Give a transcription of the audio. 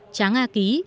tráng a ký